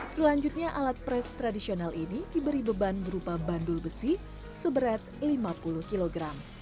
selanjutnya alat pres tradisional ini diberi beban berupa bandul besi seberat lima puluh kg